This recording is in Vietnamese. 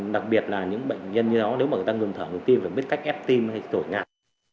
đặc biệt là những bệnh nhân như đó nếu mà người ta ngừng thở người tim phải biết cách ép tim hay tội ngạc